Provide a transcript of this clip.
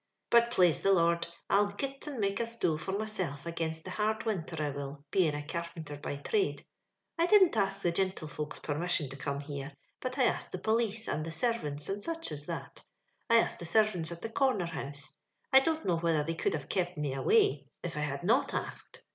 But, plaise the Lord, I'll git and make a stool for myself agaiubt the hard winter, I will, bein' a car penter by thrade, " I didn't ask the gintlefolks' permission to come here, but I asked the police and the senants, and such as that I asked the ser vants at the comer house. I dont know whi ther they could have kept me away if I had not asked.